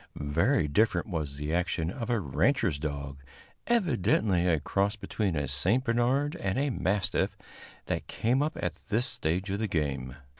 Very different was the action of a rancher's dog, evidently a cross between a St. Bernard and a mastiff, that came up at this stage of the game.